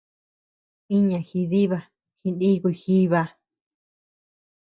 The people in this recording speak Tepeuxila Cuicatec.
Iña jidiba jinikuy jiba.